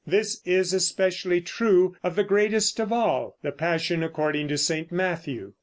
This is especially true of the greatest of all, the Passion according to St. Matthew.